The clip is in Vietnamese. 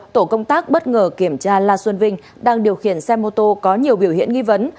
tổ công tác bất ngờ kiểm tra la xuân vinh đang điều khiển xe mô tô có nhiều biểu hiện nghi vấn